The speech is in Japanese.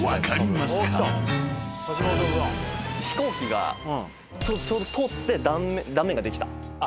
飛行機がちょうど通って断面ができた。